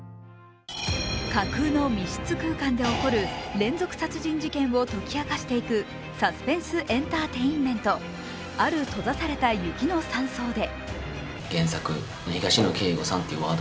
架空の密室空間で起こる連続殺人事件を解き明かしていくサスペンス・エンターテインメント「ある閉ざされた雪の山荘で」。